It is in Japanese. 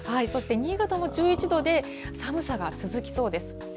そして新潟も１１度で、寒さが続きそうです。